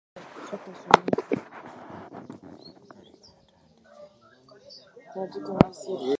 Abaminsani abaaleeta eddiini kuno baasibuka Bungereza.